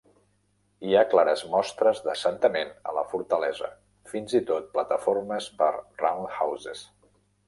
Hi ha clares mostres d'assentament a la fortalesa, fins i tot plataformes per "roundhouses".